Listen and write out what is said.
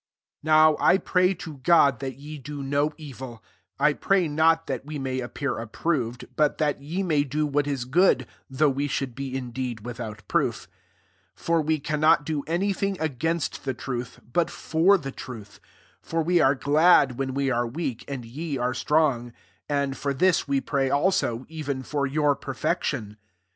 7 Now I pray to God, that ye do no evil ;/ firay not that we may appear approved, but that ye may do what is good, though we should be indeed without proof. 8 For wc can not do any thing against the truth, but for the truth. 9 For we are glad when we arc weak, and ye are strong; [and] for this we pray also, even for your perfection.